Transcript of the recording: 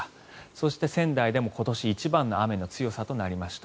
そして、仙台でも今年一番の雨の強さとなりました。